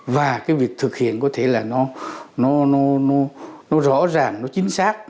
và cái việc thực hiện có thể là nó rõ ràng nó chính xác